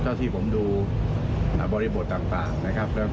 เท่าที่ผมดูบริบทต่างนะครับแล้วก็ผมคิดว่ามันอยู่ไม่นาน